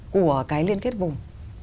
của cái liên kết vùng